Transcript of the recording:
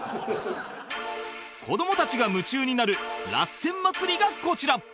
子どもたちが夢中になるラッセン祭りがこちら